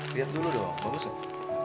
lihat dulu dong bagus gak